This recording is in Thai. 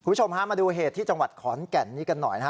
คุณผู้ชมฮะมาดูเหตุที่จังหวัดขอนแก่นนี้กันหน่อยนะฮะ